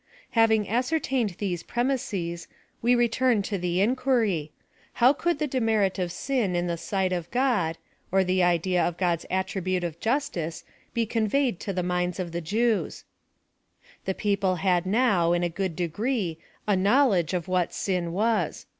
Having ascertained these premises, we return to the inquiry. How could the demerit of sin in the sight of God, or the idea of God's attribute of justice, be conveyed to the minds of the Jews 7 The people had now, in a good degree, a know ledge of what sin was.